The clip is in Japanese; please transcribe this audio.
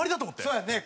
そうやんね